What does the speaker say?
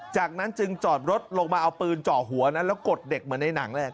จากนั้นจึงจอดรถลงมาเอาปืนเจาะหัวนะแล้วกดเด็กเหมือนในหนังเลย